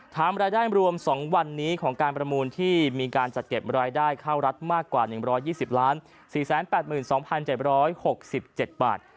รายได้รวม๒วันนี้ของการประมูลที่มีการจัดเก็บรายได้เข้ารัฐมากกว่า๑๒๐๔๘๒๗๖๗บาท